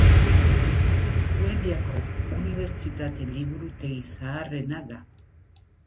Suediako unibertsitate liburutegi zaharrena da.